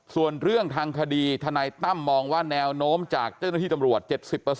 ส่วนเรื่องทางคดีทนายตั้มมองว่าแนวโน้มจากเจ้าหน้าที่ตำรวจ๗๐